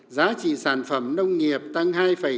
giá trị sản phẩm nông nghiệp tăng hai chín